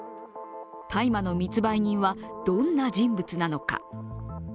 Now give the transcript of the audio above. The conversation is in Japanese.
大麻の密売人はどんな人物なのか。